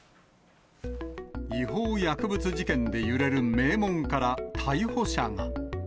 違法薬物事件で揺れる名門から逮捕者が。